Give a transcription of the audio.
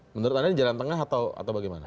menurut anda di jalan tengah atau bagaimana